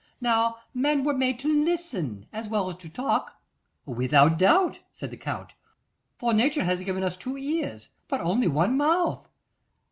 Now, men were made to listen as well as to talk.' 'Without doubt,' said the Count; 'for Nature has given us two ears, but only one mouth.